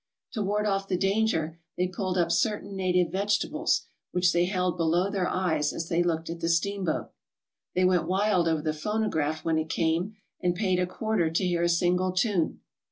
To ward off the danger they pulled up certain native vege tables, which they held below their eyes as they looked at the steamboat. They went wild over the phonograph when it came and paid a quarter to hear a single tune.